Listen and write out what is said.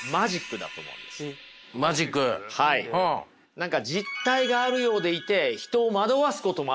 何か実体があるようでいて人を惑わすこともあるわけ。